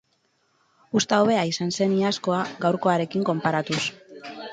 Uzta hobea izan zen iazkoa gaurkoarekin konparatuz.